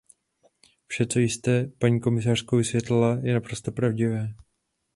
Vše, co jste, paní komisařko, vysvětlila, je naprosto pravdivé.